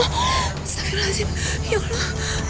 astagfirullahaladzim ya allah